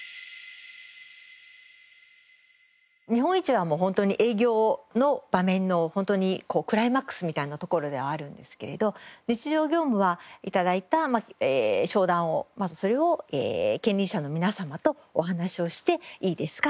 見本市はもう本当に営業の場面の本当にクライマックスみたいなところではあるんですけれど日常業務は頂いた商談をまずそれを権利者の皆様とお話をしていいですか？